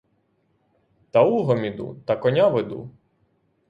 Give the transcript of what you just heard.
Та лугом іду, та коня веду.